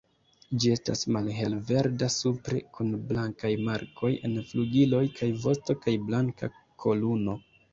Ĝi estas malhelverda supre, kun blankaj markoj en flugiloj kaj vosto kaj blanka kolumo.